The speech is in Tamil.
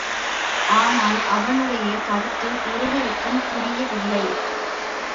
ஆனால், அவனுடைய கருத்து ஒருவருக்கும் புரியவில்லை.